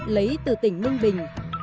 lấy từ tỉnh nương bình